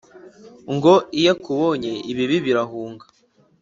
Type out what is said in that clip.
ngo iyo akubonye ibibi birahunga